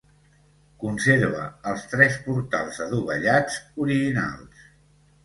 Conserva els tres portals adovellats originals.